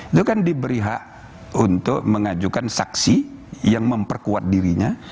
itu kan diberi hak untuk mengajukan saksi yang memperkuat dirinya